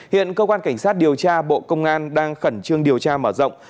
hiện cơ quan cảnh sát điều tra bộ công an đang khẩn trương điều tra mở rộng